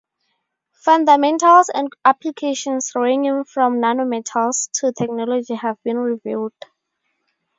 Fundamentals and applications ranging from nano materials to technology have been reviewed.